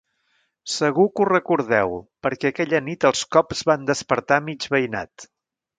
Segur que ho recordeu, perquè aquella nit els cops van despertar mig veïnat.